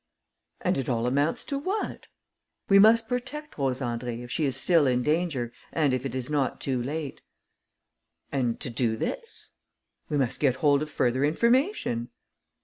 "And it all amounts to what?" "We must protect Rose Andrée if she is still in danger and if it is not too late." "And to do this?" "We must get hold of further information."